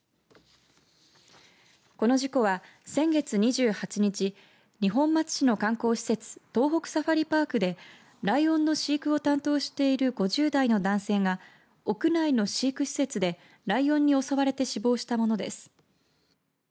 この事故は先月２８日二本松市の観光施設東北サファリパークでライオンの飼育を担当している５０代の男性が屋内の飼育施設でライオンに襲われて死亡したものです。